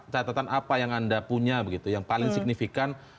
catatan apa yang anda punya begitu yang paling signifikan